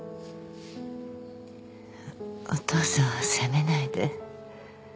お父さんを責めないで。